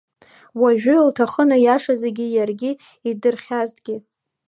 Уажәы илҭахын аиаша зегьы иаргьы идырхьазҭгьы.